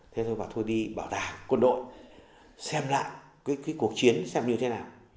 thế rồi bảo thôi đi bảo tàng quân đội xem lại cái cuộc chiến xem như thế nào